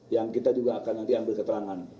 yang kita juga akan nanti ambil keterangan